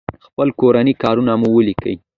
خپل کورني کارونه مو وليکئ!